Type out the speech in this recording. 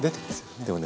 でもね